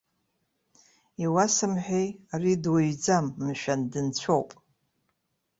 Иуасымҳәеи, ари дуаҩӡам, мшәан, дынцәоуп!